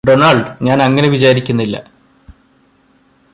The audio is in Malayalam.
ഡൊണാൾഡ് ഞാന് അങ്ങനെ വിചാരിക്കുന്നില്ല